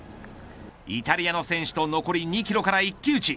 イタリアの選手と残り２キロから一騎打ち。